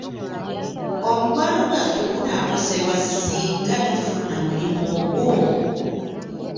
Omukwano gwaffe gunaakosebwa singa tofuna mulimu ogwo?